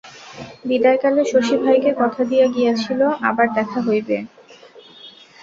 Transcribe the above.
বিদায়কালে শশী ভাইকে কথা দিয়া গিয়াছিল, আবার দেখা হইবে।